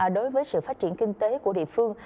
đối với sự phát triển kinh tế của địa phương